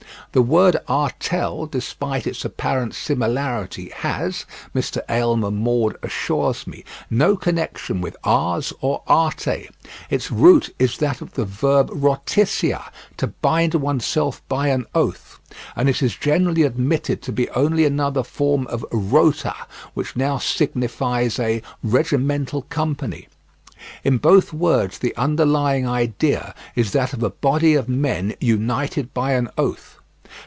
The word "artel," despite its apparent similarity, has, Mr Aylmer Maude assures me, no connection with "ars" or "arte." Its root is that of the verb "rotisya," to bind oneself by an oath; and it is generally admitted to be only another form of "rota," which now signifies a "regimental company." In both words the underlying idea is that of a body of men united by an oath.